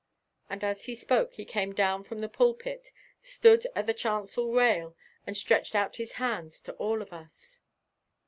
And as he spoke he came down from the pulpit, stood at the chancel rail and stretched out his hands to all of us.